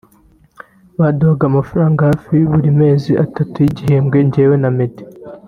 baduhaga amafaranga hafi buri mezi atatu y’igihembwe njyewe na Meddy